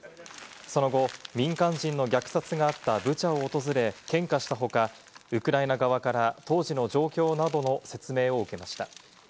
その後、民間人の虐殺があったブチャを訪れ献花したほか、ウクライナ側から当時の状況などの説明を受けました。